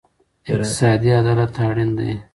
اقتصادي عدالت اړین دی.